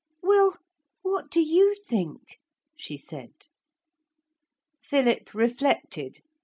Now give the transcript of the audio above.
'Well, what do you think?' she said. Philip reflected.